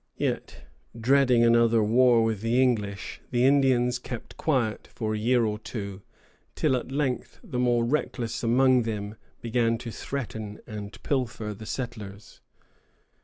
Yet, dreading another war with the English, the Indians kept quiet for a year or two, till at length the more reckless among them began to threaten and pilfer the settlers.